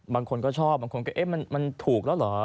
บางคนก็ชอบบางคนก็เอ๊ะมันถูกแล้วเหรอ